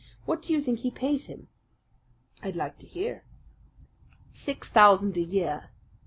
What do you think he pays him?" "I'd like to hear." "Six thousand a year.